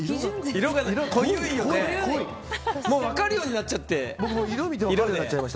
色で分かるようになっちゃって。